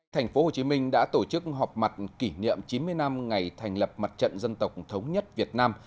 thành phố hồ chí minh đã tổ chức họp mặt kỷ niệm chín mươi năm ngày thành lập mặt trận dân tộc thống nhất việt nam